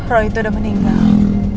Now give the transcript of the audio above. roy itu udah meninggal